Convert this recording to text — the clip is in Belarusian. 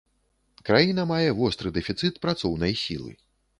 Краіна мае востры дэфіцыт працоўнай сілы.